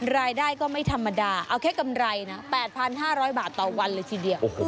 รายได้ก็ไม่ธรรมดาเอาแค่กำไรนะ๘๕๐๐บาทต่อวันเลยทีเดียว